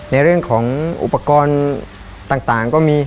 ในเรื่องของอุปกรณ์ต่างก็มี